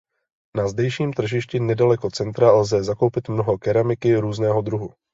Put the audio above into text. Na zdejším tržišti nedaleko centra lze zakoupit mnoho keramiky různého druhu.